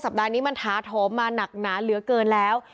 ปัดนี้มันท้าโถมมาหนักหนาเหลือเกินแล้ว